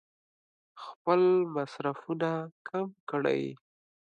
خپل مصرفونه کم کړي.